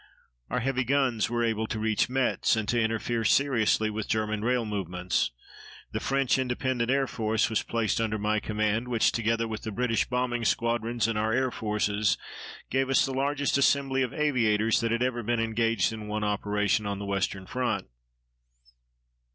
Our heavy guns were able to reach Metz and to interfere seriously with German rail movements. The French Independent Air Force was placed under my command, which, together with the British bombing squadrons and our air forces, gave us the largest assembly of aviators that had ever been engaged in one operation on the western front.